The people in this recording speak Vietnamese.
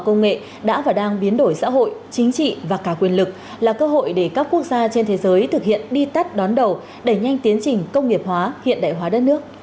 công nghệ đã và đang biến đổi xã hội chính trị và cả quyền lực là cơ hội để các quốc gia trên thế giới thực hiện đi tắt đón đầu đẩy nhanh tiến trình công nghiệp hóa hiện đại hóa đất nước